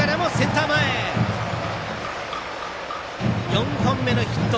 ４本目のヒット。